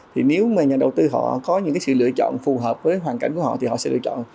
thì nếu mà nhà đầu tư họ có những sự lựa chọn phù hợp với hoàn cảnh của họ thì họ sẽ lựa chọn